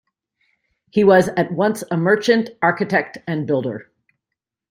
He was at once a merchant, architect and builder.